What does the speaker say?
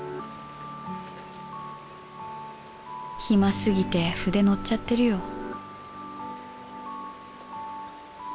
暇すぎて筆のっちゃってるよ